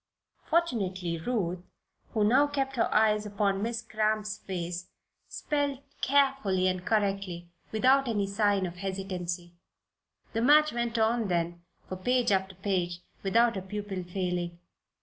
Fortunately Ruth, who now kept her eyes upon Miss Cramp's face, spelled carefully and correctly, without any sign of hesitancy. The match went on then, for page after page, without a pupil failing.